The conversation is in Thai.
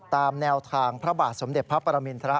ตามแนวทางพระบาทสมเด็จพระปรมินทร